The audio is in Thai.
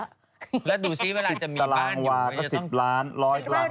แล้วดูซิเวลาจะมีบ้านอยู่ไหนจะต้องตารางวาก็๑๐ล้าน